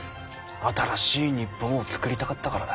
新しい日本を作りたかったからだ。